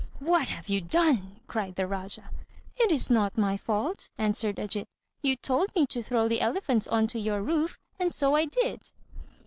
"What have you done?" cried the Rájá. "It is not my fault," answered Ajít. "You told me to throw the elephants on to your roof, and so I did."